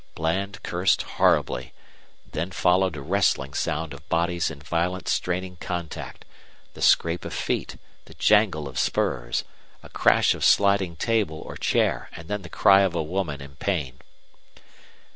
Bland cursed horribly. Then followed a wrestling sound of bodies in violent straining contact the scrape of feet the jangle of spurs a crash of sliding table or chair, and then the cry of a woman in pain.